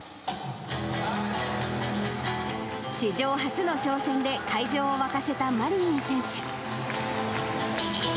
史上初の挑戦で会場を沸かせたマリニン選手。